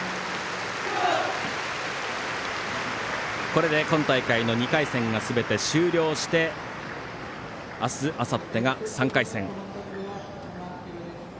これで今大会の２回戦がすべて終了して明日、あさってが３回戦。